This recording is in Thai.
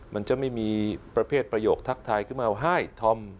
มันจะไม่มีประเภทประโยคทักทายขึ้นมาว่าให้ธอม